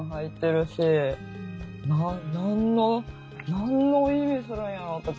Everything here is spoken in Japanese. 何の意味するんやろ？とか。